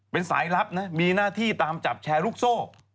เป็นสายลับนะมีหน้าที่ตามจับแชร์ลูกโซ่